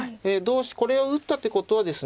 これを打ったってことはですね